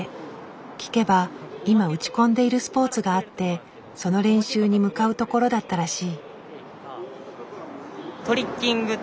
聞けば今打ち込んでいるスポーツがあってその練習に向かうところだったらしい。